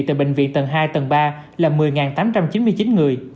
tầng hai tầng ba là một mươi tám trăm chín mươi chín người